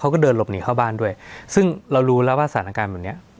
ก็เดินหลบหนีเข้าบ้านด้วยซึ่งเรารู้แล้วว่าสถานการณ์แบบเนี้ย